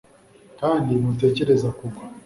kandi ntutekereze kugwa